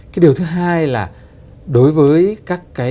cái điều thứ hai là đối với các cái chỉ số về các phiếu chính phủ này